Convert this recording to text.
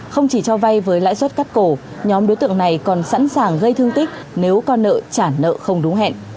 không chỉ cho vay với lãi suất cắt cổ nhóm đối tượng này còn sẵn sàng gây thương tích nếu con nợ trả nợ không đúng hẹn